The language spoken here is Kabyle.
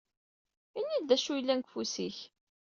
Ini-d d acu yellan deg ufus-ik.